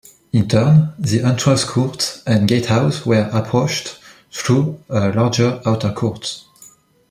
In turn, the entrance court and gatehouse were approached through a larger outer court.